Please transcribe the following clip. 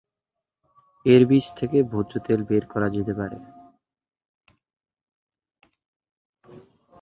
এর বীজ থেকে ভোজ্য তেল বের করা যেতে পারে।